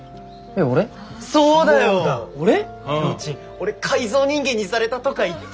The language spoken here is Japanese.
俺改造人間にされたとか言って。